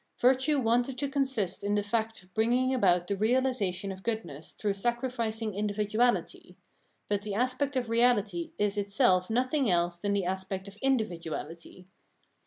Virtue wanted to consist in the fact of bringing about the reahsation of goodness through sacrificing individuahty ; but the aspect of reality is itself nothing else than the aspect of individuality.